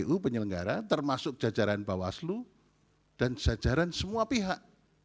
kpu penyelenggara termasuk jajaran bawaslu dan jajaran semua pihak